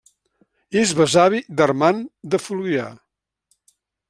És besavi d'Armand de Fluvià.